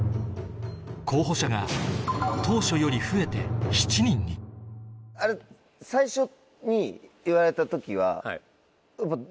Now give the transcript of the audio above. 候補者が当初より増えて７人にあれ最初に言われた時はどう思うんですか？